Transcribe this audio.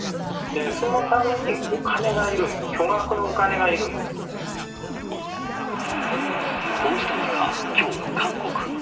そのためにお金がいるんです、巨こうした中、きょう、韓国。